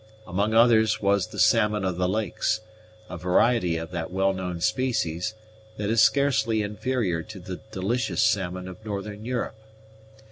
Among others was the salmon of the lakes, a variety of that well known species, that is scarcely inferior to the delicious salmon of northern Europe.